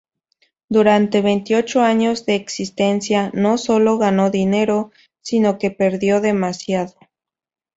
Durante veintiocho años de existencia, no sólo no ganó dinero, sino que perdió demasiado.